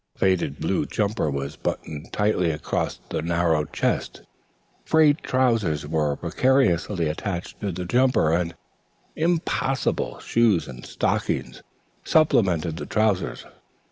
A faded blue "jumper" was buttoned tightly across the narrow chest; frayed trousers were precariously attached to the "jumper," and impossible shoes and stockings supplemented the trousers.